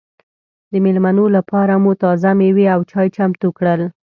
د مېلمنو لپاره مو تازه مېوې او چای چمتو کړل.